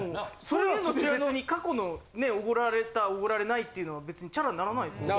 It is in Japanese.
そういうので別に過去のね奢られた奢られないっていうのは別にチャラにならないですよ。